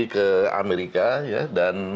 ke amerika ya dan